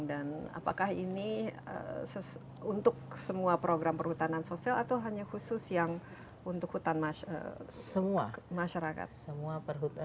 dan apakah ini untuk semua program perhutanan sosial atau hanya khusus yang untuk hutan masyarakat